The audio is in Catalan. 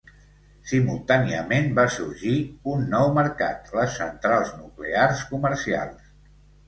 Simultàniament va sorgit un nou mercat: les centrals nuclears comercials.